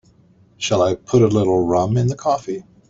Shall I put a little rum in the coffee?